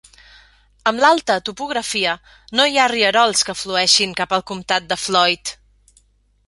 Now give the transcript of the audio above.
Amb l'alta topografia, no hi ha rierols que flueixin cap al comtat de Floyd.